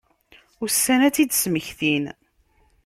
Ussan ad tt-id-smektin.